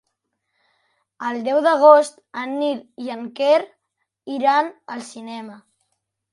El deu d'agost en Nil i en Quer iran al cinema.